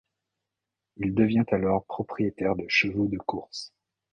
Il devient alors propriétaire de chevaux de course.